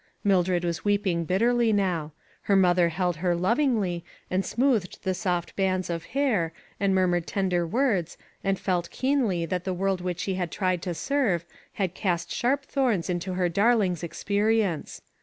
Mildred was weeping bitterly now. Her mother held her lovingly, and smoothed the soft bands of hair, and murmured tender words, and felt keenly that the world which she had tried to serve, had cast sharp thorns into her darling's experience.